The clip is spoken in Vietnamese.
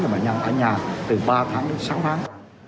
cho bệnh nhân ở nhà từ ba tháng đến sáu tháng